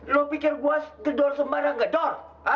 lu pikir gua gedor sembarang gedor